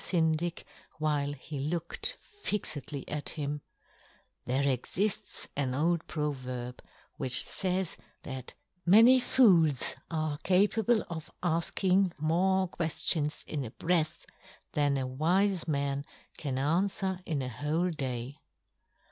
Syndic, while he looked fixedly at him, " There exifts an old proverb " which fays that many fools are ca " pable of afking more queftions in " a breath than a wife man can an " fwer in a whole day."